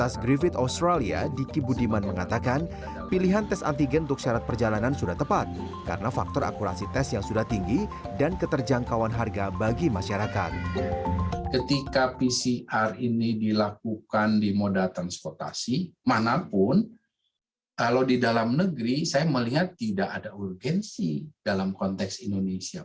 saya melihat tidak ada urgensi dalam konteks indonesia